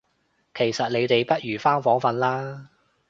其實你哋不如返房訓啦